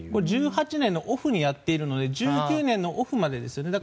１８年のオフにやっているので１９年のオフまでですよね。